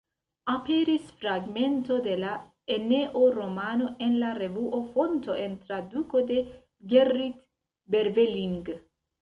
Aperis fragmento de la "Eneo-romano" en la revuo Fonto en traduko de Gerrit Berveling.